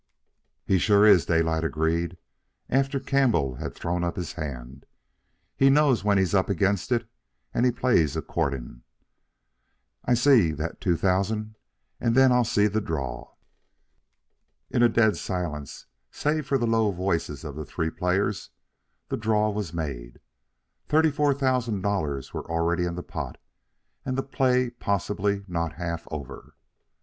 "He sure is," Daylight agreed, after Campbell had thrown up his hand. "He knows when he's up against it, and he plays accordin'. I see that two thousand, and then I'll see the draw." In a dead silence, save for the low voices of the three players, the draw was made. Thirty four thousand dollars were already in the pot, and the play possibly not half over.